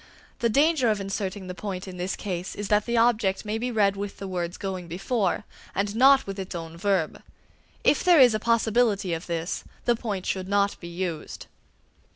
The danger of inserting the point in this case is that the object may be read with the words going before, and not with its own verb. If there is a possibility of this, the point should not be used.